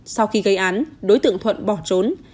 sau khi gây án đối tượng thuận bỏ trốn